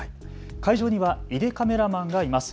会場には井出カメラマンがいます。